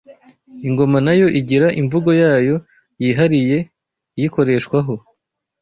ingoma nayo igira imvugo yayo yihariye iyikoreshwaho